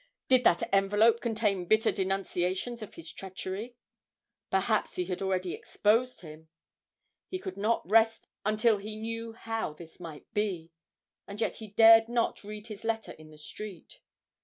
did that envelope contain bitter denunciations of his treachery? Perhaps he had already exposed him! he could not rest until he knew how this might be, and yet he dared not read his letter in the street.